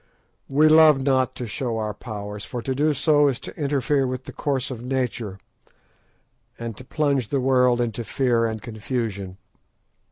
We love not to show our powers, for to do so is to interfere with the course of nature, and to plunge the world into fear and confusion.